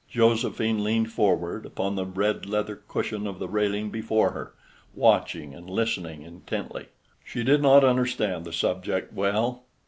Josephine leaned forward upon the red leather cushion of the railing before her, watching and listening intently. She did not understand the subject well.